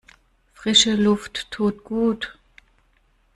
Frische Luft tut gut.